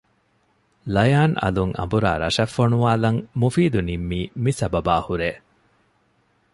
ލަޔާން އަލުން އަނބުރާ ރަށަށް ފޮނުވާލަން މުފީދު ނިންމީ މި ސަބަބާހުރޭ